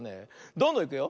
どんどんいくよ。